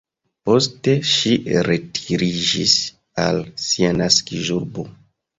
Poste ŝi retiriĝis al sia naskiĝurbo.